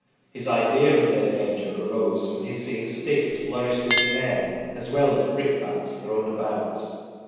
his idea of their danger arose from his seeing sticks flourished in the air as well as brickbats thrown about